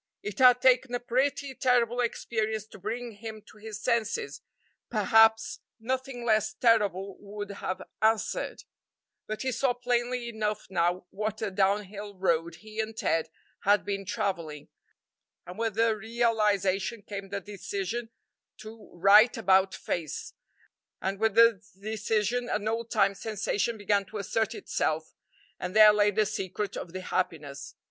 It had taken a pretty terrible experience to bring him to his senses; perhaps nothing less terrible would have answered; but he saw plainly enough now what a down hill road he and Ted had been travelling, and with the realization came the decision to "right about face," and with the decision an old time sensation began to assert itself, and there lay the secret of the happiness.